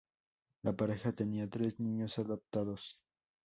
La pareja tenía tres niños adoptados.